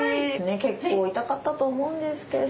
結構痛かったと思うんですけど。